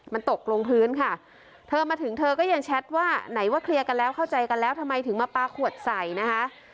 มันตกลงพื้นค่ะเธอมาถึงเธอก็ยังแชทว่าไหนว่าเคลียร์กันแล้วเข้าใจกันแล้วทำไมถึงมาปลาขวดใส่นะคะ